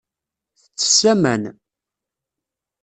Tettess aman.